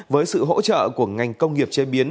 với sự hỗ trợ của ngành công nghiệp chế biến